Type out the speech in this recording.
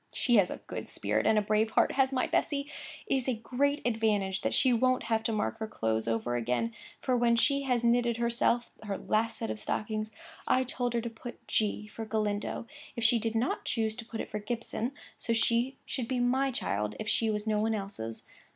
She has a good spirit and a brave heart, has my Bessy! It is a great advantage that she won't have to mark her clothes over again: for when she had knitted herself her last set of stockings, I told her to put G for Galindo, if she did not choose to put it for Gibson, for she should be my child if she was no one else's.